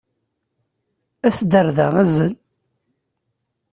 As-d ɣer da, azzel.